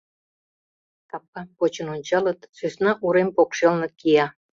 Капкам почын ончалыт — сӧсна урем покшелне кия.